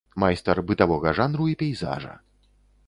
Майстар бытавога жанру і пейзажа.